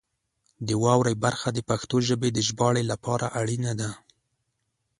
د واورئ برخه د پښتو ژبې د ژباړې لپاره اړینه ده.